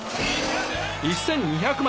１２００万！